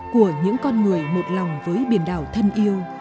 của những con người một lòng với biển đảo thân yêu